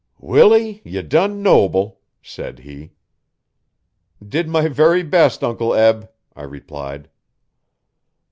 'Willie, ye done noble!' said he. 'Did my very best, Uncle Eb,' I replied.